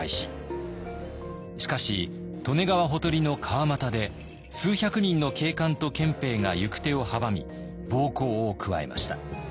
しかし利根川ほとりの川俣で数百人の警官と憲兵が行く手を阻み暴行を加えました。